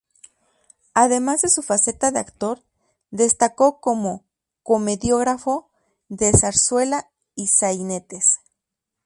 Además de su faceta de actor, destacó como comediógrafo de zarzuela y sainetes.